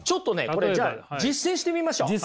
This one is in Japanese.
これじゃあ実践してみましょう！